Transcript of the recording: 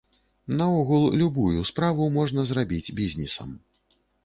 Наогул, любую справу можна зрабіць бізнесам.